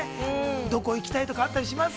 どこ行きたいとかあったりします？